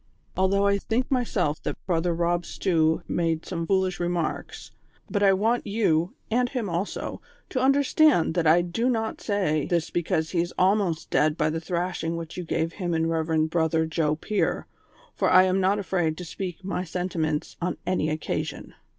Although I think myself that Brother Kob Stew made some foolish remarks ; but I want you, and him also, to understand that I do not say this because he is almost dead by the thrashing which you gave him and Eev. Brother Joe Pier, for I am not afraid to speak my senti ments on any occasion.